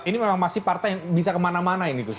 ini memang masih partai yang bisa kemana mana ini gus